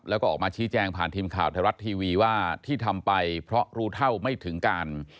แล้วก็ออกมาชี้แจงผ่านทีมข่าวไทยรัฐทีวีว่าที่ทำไปเพราะรู้เท่าไม่ถึงการ